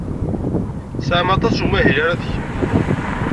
Tesɛam aṭas n umahil ara tgem.